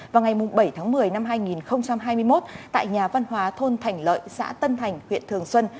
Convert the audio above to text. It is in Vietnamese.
vào ngày bảy tháng một mươi năm hai nghìn hai mươi một tại nhà văn hóa thôn thành lợi xã tân thành huyện thường xuân